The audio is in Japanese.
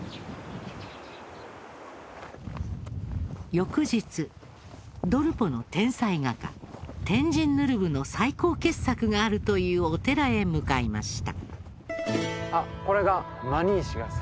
翌日ドルポの天才画家テンジン・ヌルブの最高傑作があるというお寺へ向かいました。